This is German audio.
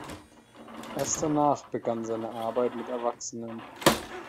Erst danach begann seine Arbeit mit Erwachsenen.